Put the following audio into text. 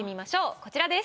こちらです。